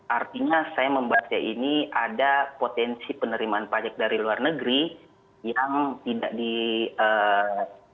artinya saya membaca ini ada potensi penerimaan pajak dari luar negeri yang tidak di